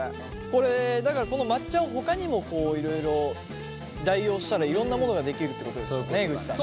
これだからこの抹茶をほかにもいろいろ代用したらいろんなものができるってことですよね江口さん。